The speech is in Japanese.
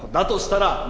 としたら